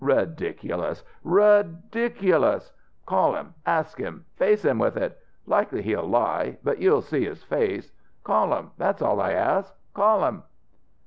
Ridiculous, ridiculous! Call him, ask him, face him with it. Likely he'll lie but you'll see his face. Call him, that's all I ask. Call him!"